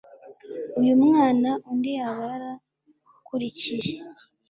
Uyu mwana undi yaba yarakurikiye